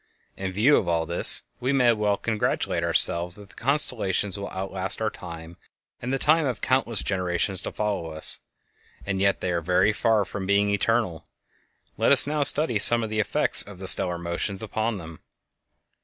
In view of all this, we may well congratulate ourselves that the constellations will outlast our time and the time of countless generations to follow us; and yet they are very far from being eternal. Let us now study some of the effects of the stellar motions upon them.